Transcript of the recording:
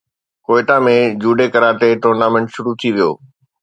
Quetta ۾ judo karate tournament شروع ٿي ويو